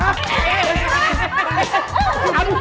mas bangun mas